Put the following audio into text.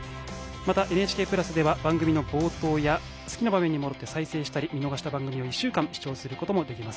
また「ＮＨＫプラス」では番組の冒頭や好きな場面に戻って再生したり見逃した番組を１週間、視聴することもできます